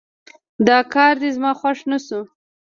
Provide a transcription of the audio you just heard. دا کار دې زما خوښ نه شو